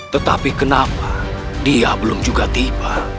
tetapi kenapa dia belum juga tiba